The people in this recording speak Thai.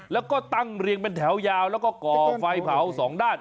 แล้วก็ตั้งเรียงเป็นแถวยาวแล้วก็ก่อไฟเผาสองด้าน